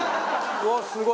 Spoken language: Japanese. うわっすごい！